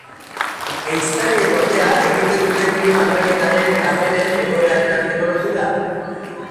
Ehiztariek ordea, egiten dute klima aldaketaren eta beren egoeraren arteko lotura?